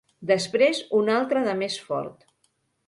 Després un altre de més fort